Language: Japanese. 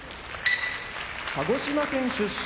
鹿児島県出身